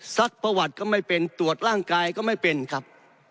ประวัติก็ไม่เป็นตรวจร่างกายก็ไม่เป็นครับ